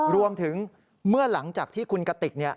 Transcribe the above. รวมถึงเมื่อหลังจากที่คุณกติก